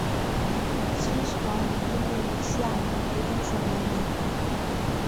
机场以印度尼西亚民族英雄为名。